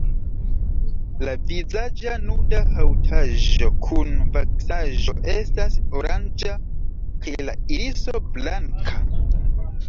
La vizaĝa nuda haŭtaĵo kun vaksaĵo estas oranĝa kaj la iriso blanka.